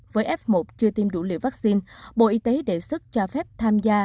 với f một chưa tiêm đủ liều vaccine bộ y tế đề xuất cho phép tham gia